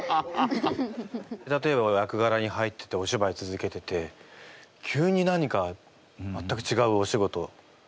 例えば役がらに入ってておしばい続けてて急に何か全くちがうお仕事。